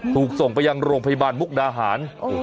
ถูกส่งไปยังโรงพยาบาลมุกดาหาร